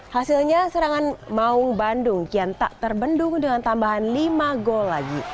hasilnya serangan maung bandung kian tak terbendung dengan tambahan lima gol lagi